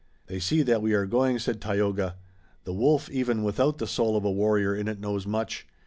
"They see that we are going," said Tayoga. "The wolf even without the soul of a warrior in it knows much.